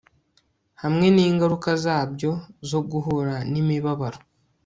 hamwe ningaruka zabyo zo guhura nimibabaro